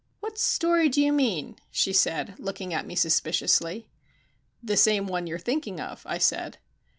"What story do you mean?" she said, looking at me suspiciously. "The same one you're thinking of," I said.